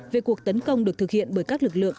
về cuộc tấn công được thực hiện bởi các lực lượng